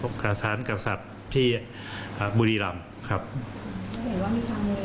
เห็นว่ามีทางมูลณิธีที่จะติดต่อกับความ